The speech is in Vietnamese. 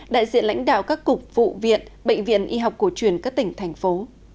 đại diện lãnh đạo các cục vụ viện bệnh viện y học cổ truyền các tỉnh thành phố